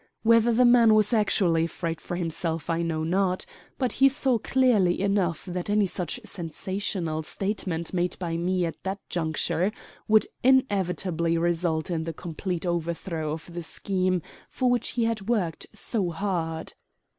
Whether the man was actually afraid for himself I know not; but he saw clearly enough that any such sensational statement made by me at that juncture would inevitably result in the complete overthrow of the scheme for which he had worked so hard.